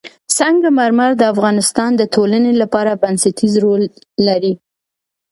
سنگ مرمر د افغانستان د ټولنې لپاره بنسټيز رول لري.